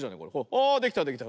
あできたできた。